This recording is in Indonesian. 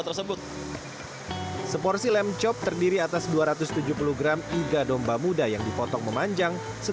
terutama domba muda